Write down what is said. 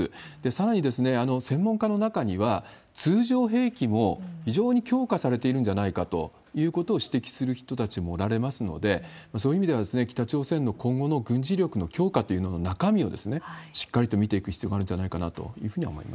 さらに、専門家の中には、通常兵器も非常に強化されているんじゃないかということを指摘する人たちもおられますので、そういう意味では、北朝鮮の今後の軍事力の強化というのの中身を、じっくりと見ていく必要があるんじゃないかなというふうには思い